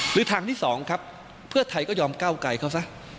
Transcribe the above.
หรือทางที่๒ครับเพื่อไทยก็ยอมก้าวไกลเขาซะ